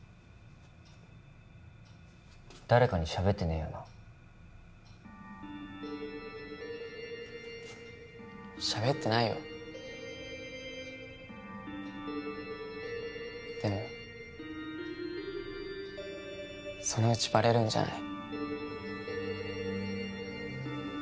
誰かにしゃべってねえよなしゃべってないよでもそのうちバレるんじゃない？